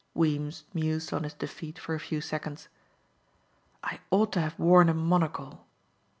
Weems mused on his defeat for a few seconds. "I ought to have worn a monocle."